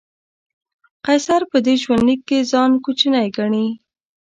قیصر په دې ژوندلیک کې ځان کوچنی ګڼي.